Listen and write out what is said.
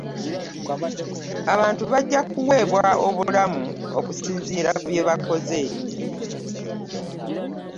Abantu bajja kuweebwa obulamu okusinziira ku bye bakoze.